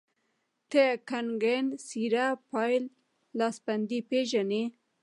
ته کنګڼ ،سيره، پايل، لاسبندي پيژنې